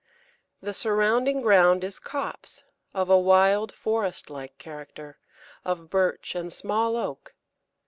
The surrounding ground is copse, of a wild, forest like character, of birch and small oak.